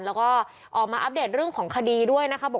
แล้วก็ออกมาอัปเดตเรื่องของคดีด้วยนะคะ